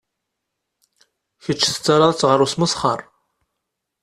Kečč tettaraḍ-tt ɣer usmesxer.